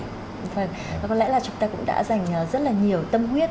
và có lẽ là chúng ta cũng đã dành rất là nhiều tâm huyết